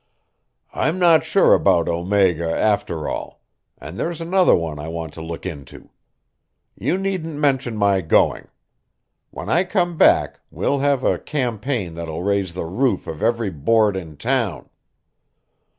"I'm not sure about Omega, after all and there's another one I want to look into. You needn't mention my going. When I come back we'll have a campaign that will raise the roof of every Board in town.